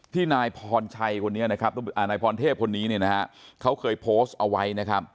ที่นายพรเทพคนนี้เขาเคยโพสต์เอาไว้